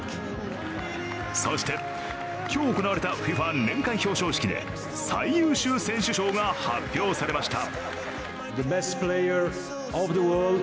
そして、今日行われたＦＩＦＡ年間表彰式で最優秀選手賞が発表されました。